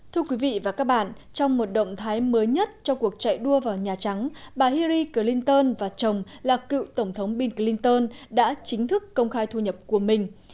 thưa quý vị và các bạn trong một động thái mới nhất cho cuộc chạy đua vào nhà trắng bà hiri clinton và chồng là cựu tổng thống bill clinton đã chính thức công khai thu nhập của mình